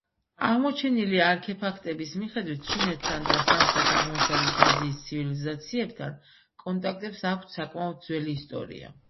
აღმოჩენილი არტეფაქტების მიხედვით ჩინეთთან და სამხრეთ-აღმოსავლეთ აზიის ცივილიზაციებთან კონტაქტებს აქვთ საკმაოდ ძველი ისტორია.